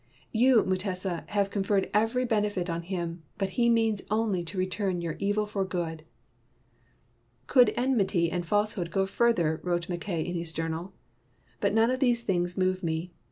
You, Mutesa, have conferred every benefit on him 5 but he means only to return you evil for good !'' "Could enmity and falsehood go fur ther %'' wrote Mackay in his j ournal. '' But none of these things move me.